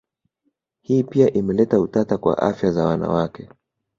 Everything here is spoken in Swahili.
Hii pia imeleta utata kwa afya za wanawakwe